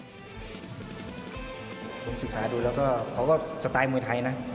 ผมศึกษาดูแล้วก็เขาก็สไตล์มวยไทยนะ